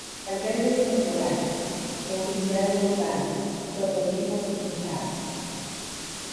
Albergues temporales, mobiliario urbano, prototipos hinchables...